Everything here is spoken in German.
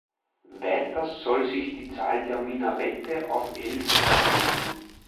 Weiters soll sich die Zahl der Minarette auf elf erhöhen.